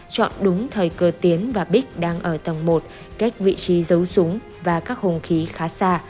chọn đúng thời cơ tiến và bích đang ở tầng một cách vị trí dấu súng và các hùng khí khá xa